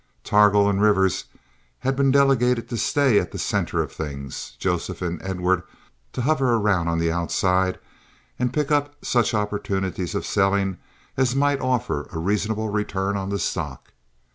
Targool and Rivers had been delegated to stay at the center of things, Joseph and Edward to hover around on the outside and to pick up such opportunities of selling as might offer a reasonable return on the stock.